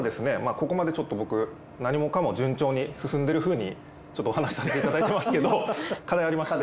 ここまでちょっと僕何もかも順調に進んでるふうにお話させていただいてますけど課題ありまして。